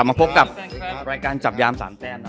กลับมาพบกับรายการจับยามสามแต้มนะ